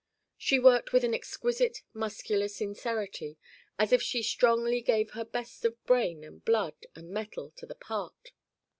She worked with an exquisite muscular sincerity, as if she strongly gave her best of brain and blood and mettle to the part.